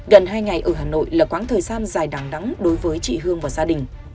gần hai ngày ở hà nội là quãng thời gian dài đáng đắn đối với chị hương và gia đình